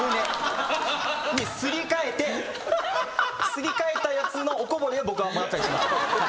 すり替えたやつのおこぼれを僕がもらったりしました。